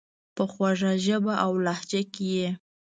په خوږه ژبه اولهجه کي یې،